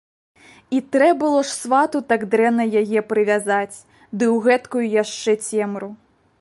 І трэ было ж свату так дрэнна яе прывязаць, ды ў гэткую яшчэ цемру.